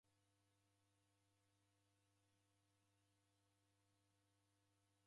Ndeochalemwa ni kumeria jija uzoye.